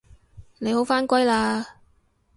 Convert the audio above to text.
你好返歸喇